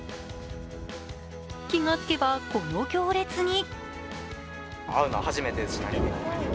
気がつけばこの行列に。